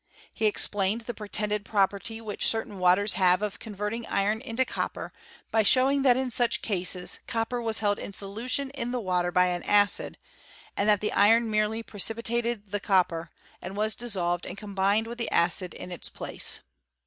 He explained the pretended property which, certain waters have of converting iron into copper, by showing that in such cases copper was held in solu tion in the water by an acid, and that the iron merely precipitated the copper, and was dissolved and com bined with the acid in its place.